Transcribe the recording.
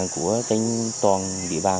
của toàn địa bàn